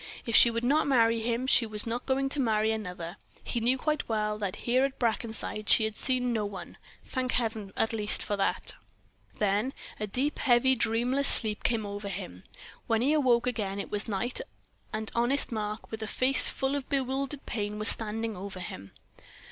If she would not marry him, she was not going to marry another. He knew quite well that here at Brackenside she had seen no one; thank Heaven at least for that. Then a deep, heavy, dreamless sleep came over him. When he woke again it was night and honest Mark, with a face full of bewildered pain, was standing over him.